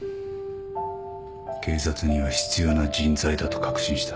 警察には必要な人材だと確信した。